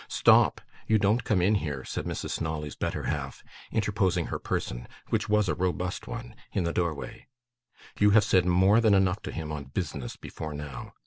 'Stop! You don't come in here,' said Mr. Snawley's better half, interposing her person, which was a robust one, in the doorway. 'You have said more than enough to him on business, before now.